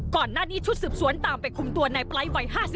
ก่อนหน้านี้ชุดสืบสวนตามไปคุมตัวในปลาย